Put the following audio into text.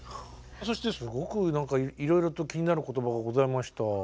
そしてすごくいろいろと気になる言葉がございました。